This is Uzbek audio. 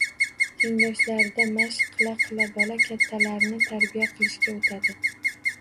Tengdoshlarida mashq qila-qila, bola kattalarni “tarbiya qilishga” o‘tadi.